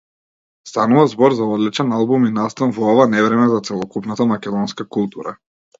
Станува збор за одличен албум и настан во ова невреме за целокупната македонска култура.